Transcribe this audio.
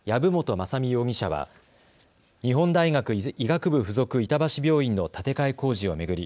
雅巳容疑者は日本大学医学部附属板橋病院の建て替え工事を巡り